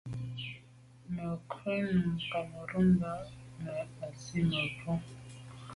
Mə̀ krú nǔm Cameroun mbá mə̀ ɑ̀' zí mə̀ bwɔ́.